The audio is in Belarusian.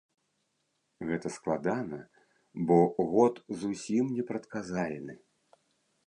Гэта складана, бо год зусім непрадказальны!